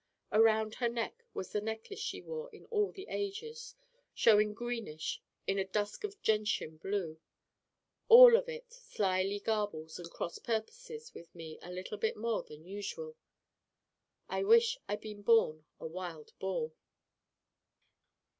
Around her neck was the Necklace she wore in all the ages, showing greenish in a dusk of gentian blue. All of it slyly garbles and cross purposes me a little bit more than usual. I wish I'd been born a Wild Boar.